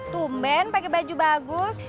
tunggu pakai baju bagus